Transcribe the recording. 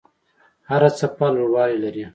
هره څپه لوړوالی لري.